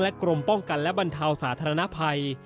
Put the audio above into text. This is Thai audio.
กรมป้องกันและบรรเทาสาธารณภัย